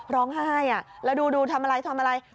ร้องไห้แล้วดูทำอะไรทำอะไร